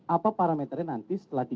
apa parameternya nanti setelah